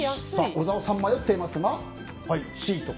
小沢さん迷っていますがＣと。